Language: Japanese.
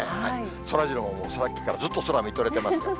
そらジローもさっきからずっと空、見とれてました。